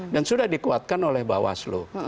dan sudah dikuatkan oleh bawaslu